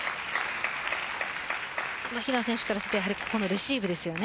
平野選手からするとここのレシーブです。